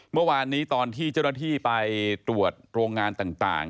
เมื่อวานนี้ตอนที่เจ้าหน้าที่ไปตรวจโรงงานต่าง